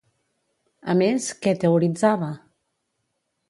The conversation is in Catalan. A més, què teoritzava?